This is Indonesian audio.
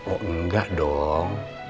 oh enggak dong